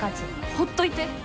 ほっといて。